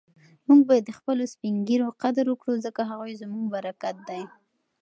موږ باید د خپلو سپین ږیرو قدر وکړو ځکه هغوی زموږ برکت دی.